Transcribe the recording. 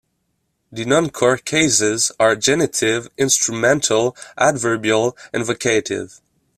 The non-core cases are genitive, instrumental, adverbial and vocative.